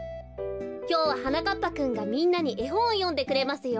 きょうははなかっぱくんがみんなにえほんをよんでくれますよ。